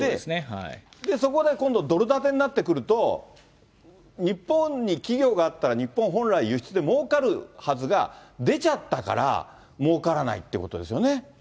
そこで今度、ドル建てになってくると、日本に企業があったら、日本、本来輸出でもうかるはずが、出ちゃったから、もうからないっていうことですよね。